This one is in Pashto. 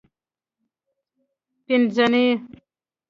پینځنۍ